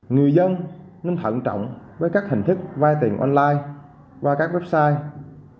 người dân nên thận trọng với các hình thức vay tiền online qua các website